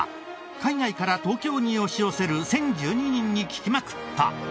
海外から東京に押し寄せる１０１２人に聞きまくった。